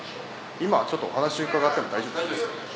今ちょっとお話伺っても大丈夫ですか？